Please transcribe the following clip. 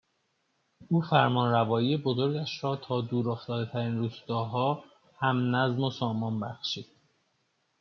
او فرمانروایی بزرگش را تا دورافتادهترین روستاها هم نظم و سامان بخشید